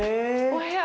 お部屋。